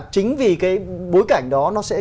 chính vì cái bối cảnh đó nó sẽ